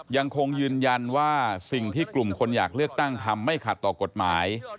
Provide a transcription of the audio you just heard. ยังคงยืนยันว่าสิ่งที่กลุ่มคนอยากเลือกตั้งทำไม่ขัดต่อกฎหมาย